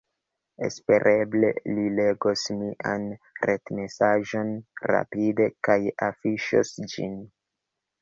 Espereble ri legos mian retmesaĝon rapide, kaj afiŝos ĝin